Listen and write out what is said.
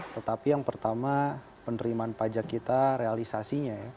tetapi yang pertama penerimaan pajak kita realisasinya ya